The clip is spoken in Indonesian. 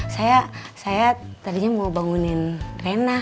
saya tadinya mau bangunin drena